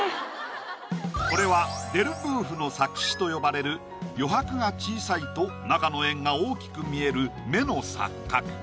これはデルブーフの錯視と呼ばれる余白が小さいと中の円が大きく見える目の錯覚